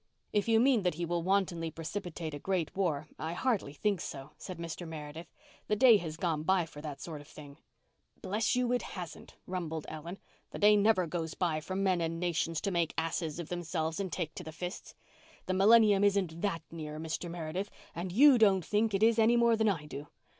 "If you mean that he will wantonly precipitate a great war I hardly think so," said Mr. Meredith. "The day has gone by for that sort of thing." "Bless you, it hasn't," rumbled Ellen. "The day never goes by for men and nations to make asses of themselves and take to the fists. The millenniun isn't that near, Mr. Meredith, and you don't think it is any more than I do.